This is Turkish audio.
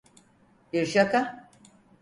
Bir Şaka.